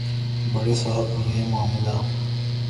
بڑے صاحب یہ معاملہ